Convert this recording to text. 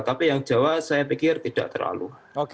tapi yang jawa saya pikir tidak terlalu